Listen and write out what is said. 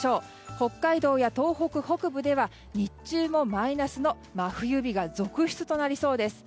北海道や東北北部では日中もマイナスの真冬日が続出となりそうです。